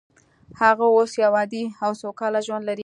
هغه اوس یو عادي او سوکاله ژوند لري